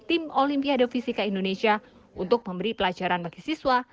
tim olimpiade fisika indonesia untuk memberi pelajaran bagi siswa